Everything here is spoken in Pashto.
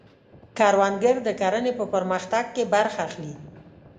کروندګر د کرنې په پرمختګ کې برخه اخلي